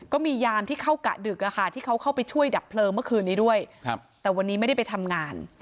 ก็มียามที่เข้ากะดึกที่เขาเข้าไปช่วยดับเพลิงเมื่อคืนนี้ด้วยแต่วันนี้ไม่ได้ไปทำงาน